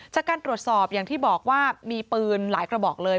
จากการตรวจสอบอย่างที่บอกว่ามีปืนหลายกระบอกเลย